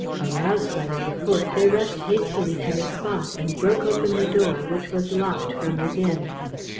Aroused by the report, they rushed hastily to the spot, and broke open the door, which was locked from within.